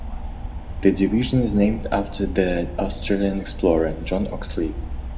The division is named after the Australian explorer, John Oxley.